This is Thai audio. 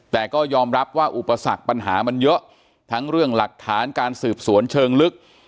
แต่ก็ยอมรับว่าอุปสรรคปัญหามันเยอะทั้งเรื่องหลักฐานการสืบสวนเชิงลึก